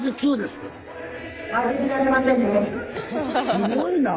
すごいな！